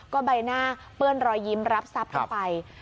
ก็ใบหน้าเปื้อนรอยยิ้มรับทรัพย์กันไป